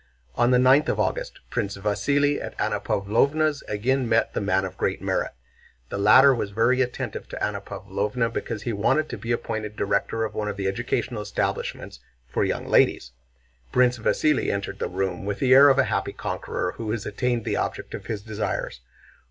On the ninth of August Prince Vasíli at Anna Pávlovna's again met the "man of great merit." The latter was very attentive to Anna Pávlovna because he wanted to be appointed director of one of the educational establishments for young ladies. Prince Vasíli entered the room with the air of a happy conqueror who has attained the object of his desires.